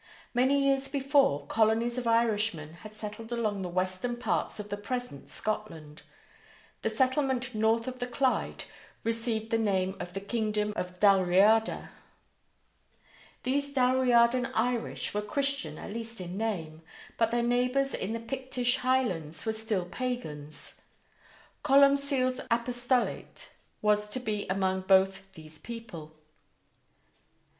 Many years before, colonies of Irishmen had settled along the western parts of the present Scotland. The settlement north of the Clyde received the name of the Kingdom of Dalriada. These Dalriadan Irish were Christian at least in name, but their neighbors in the Pictish Highlands were still pagans. Columcille's apostolate was to be among both these peoples.